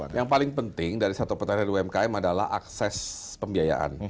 ya yang paling penting dari sektor pertanian umkm adalah akses pembiayaan